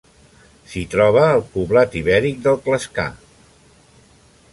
S'hi troba el poblat ibèric del Clascar.